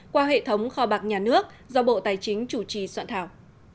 qua hệ thống kho bạc nhà nước do bộ tài chính chủ trì soạn thảo